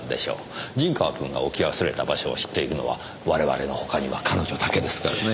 陣川君が置き忘れた場所を知っているのは我々の他には彼女だけですからね。